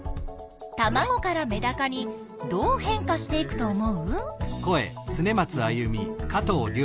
たまごからメダカにどう変化していくと思う？